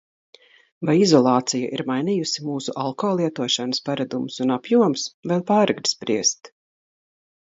Vai izolācija ir mainījusi mūsu alko lietošanas paradumus un apjomus? Vēl pāragri spriest.